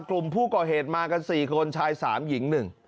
กลุ่มผู้ก่อเหตุมากัน๔คนชาย๓หญิง๑